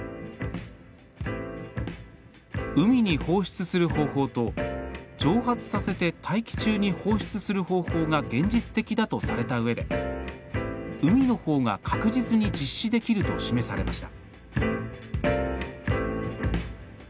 海に放出する方法と蒸発させて大気中に放出する方法が現実的だとされたうえで海のほうが確実に実施できると示されました。